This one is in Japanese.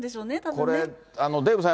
これ、デーブさん